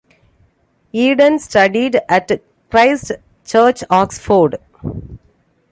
Eden studied at Christ Church, Oxford.